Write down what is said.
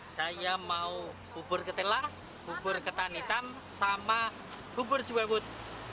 saya mau bubur ketela bubur ketan hitam sama bubur juwet